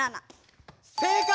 正解！